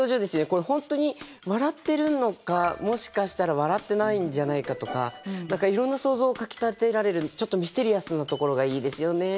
これ本当に笑ってるのかもしかしたら笑ってないんじゃないかとか何かいろんな想像をかきたてられるちょっとミステリアスなところがいいですよね。